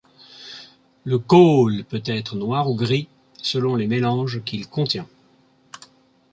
Le khôl peut être noir ou gris, selon les mélanges qu'il contient.